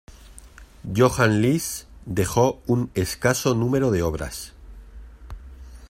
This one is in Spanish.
Johan Liss dejó un escaso número de obras.